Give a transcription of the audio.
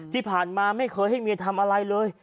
ที่ผ่านมาไม่เคยให้เมียทำอะไรเลย